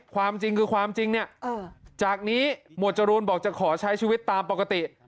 ความจริงคือความจริงเนี่ยจากนี้หมวดจรูนบอกจะขอใช้ชีวิตตามปกติ